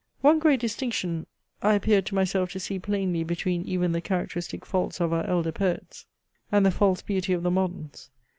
One great distinction, I appeared to myself to see plainly between even the characteristic faults of our elder poets, and the false beauty of the moderns.